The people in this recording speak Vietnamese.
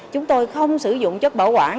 chúng tôi không sử dụng chất bảo quản